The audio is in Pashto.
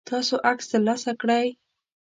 تاسو عکس ترلاسه کړئ؟